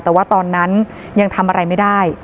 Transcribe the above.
แต่ว่าตอนนั้นยังทำอะไรไม่ได้